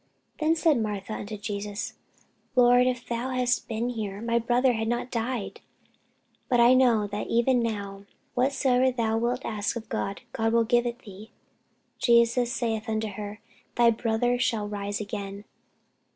Then said Martha unto Jesus, Lord, if thou hadst been here, my brother had not died. But I know, that even now, whatsoever thou wilt ask of God, God will give it thee. Jesus saith unto her, Thy brother shall rise again.